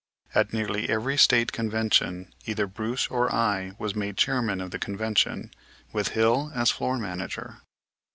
At nearly every State convention either Bruce or I was made chairman of the convention, with Hill as floor manager.